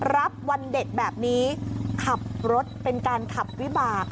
วันเด็กแบบนี้ขับรถเป็นการขับวิบาก